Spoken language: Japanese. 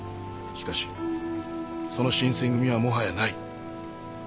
しかしその新選組はもはやない。